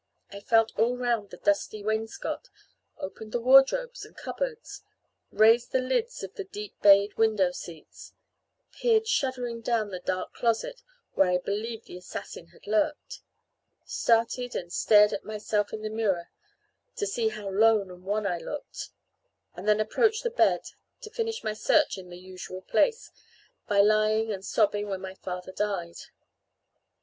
I felt all round the dusty wainscot, opened the wardrobes and cupboards, raised the lids of the deep bayed window seats, peered shuddering down the dark closet, where I believed the assassin had lurked, started and stared at myself in the mirror, to see how lone and wan I looked, and then approached the bed, to finish my search in the usual place, by lying and sobbing where my father died.